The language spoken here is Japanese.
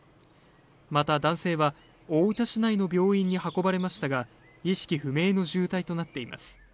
また男性は大分市内の病院に運ばれましたが意識不明の重体となっています